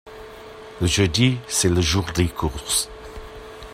Le jeudi, c'est le jour des courses.